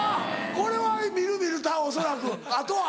これは見る見る恐らくあとは？